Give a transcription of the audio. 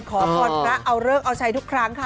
ขอพรพระเอาเลิกเอาใช้ทุกครั้งค่ะ